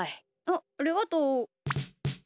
あっありがとう。